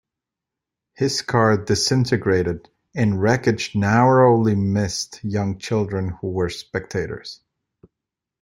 His car disintegrated, and wreckage narrowly missed young children who were spectators.